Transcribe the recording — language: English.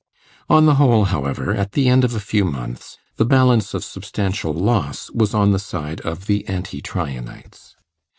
On the whole, however, at the end of a few months, the balance of substantial loss was on the side of the Anti Tryanites.